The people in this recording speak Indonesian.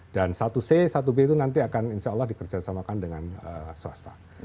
dan satu c satu b itu nanti akan insya allah dikerjasamakan dengan swasta